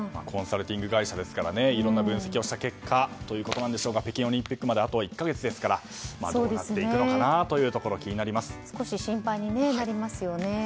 コンサルティング会社ですからいろんな分析をした結果ということなんでしょうが北京オリンピックまであと１か月ですからどうなっていくのか少し心配になりますよね。